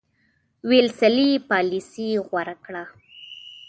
ویلسلي پالیسي غوره کړه.